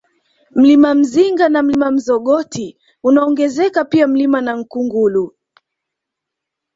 Mlima Mzinga na Mlima Mzogoti unaongezeka pia Mlima Nankungulu